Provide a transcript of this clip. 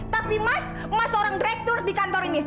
tapi mas mas seorang direktur di kantor ini